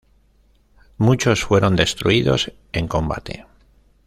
Muchos fueron destruidos en combate.